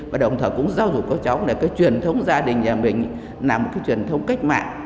và đồng thời cũng giáo dục các cháu là cái truyền thống gia đình nhà mình là một cái truyền thống cách mạng